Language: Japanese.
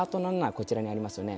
こちらにありますよね？